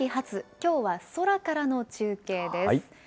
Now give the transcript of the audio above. きょうは空からの中継です。